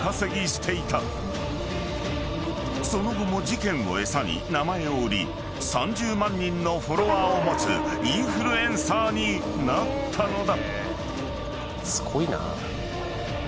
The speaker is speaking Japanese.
［その後も事件を餌に名前を売り３０万人のフォロワーを持つインフルエンサーになったのだ］